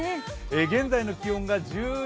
現在の気温が１１．６度。